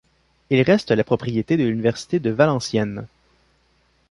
Il reste la propriété de l'université de Valenciennes.